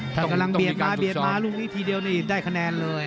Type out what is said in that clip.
ถ้ากำลังเบียดมาเบียดมาลูกนี้ทีเดียวนี่ได้คะแนนเลย